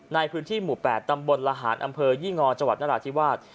ในพื้นที่หมู่๘ตำบลละหารอำเภอยี่งอจังหวัดนราธิวาส